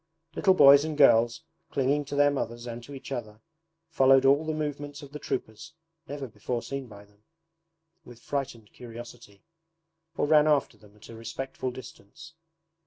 Little boys and girls, clinging to their mothers and to each other, followed all the movements of the troopers (never before seen by them) with frightened curiosity, or ran after them at a respectful distance.